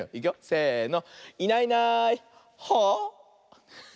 せの。